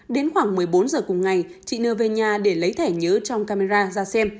đến khoảng một mươi bốn giờ cùng ngày chị nưa về nhà để lấy thẻ nhớ trong camera ra xem